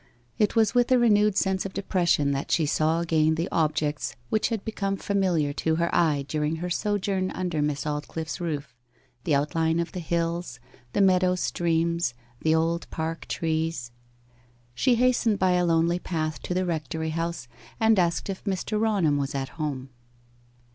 It was with a renewed sense of depression that she saw again the objects which had become familiar to her eye during her sojourn under Miss Aldclyffe's roof the outline of the hills, the meadow streams, the old park trees. She hastened by a lonely path to the rectory house, and asked if Mr. Raunham was at home.